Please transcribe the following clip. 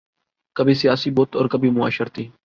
کبھی سیاسی بت اور کبھی معاشرتی